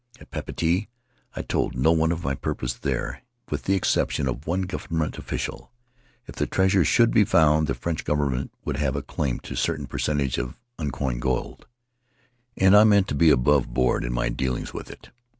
At Papeete I told no one of my purpose there, with the exception of one governmental official. If the treasure should be found the French government would have a claim to certain percentage on uncoined gold, and I meant to be aboveboard in my dealings with it.